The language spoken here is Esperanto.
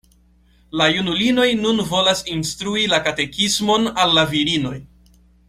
La junulinoj nun volas instrui la katekismon al la virinoj.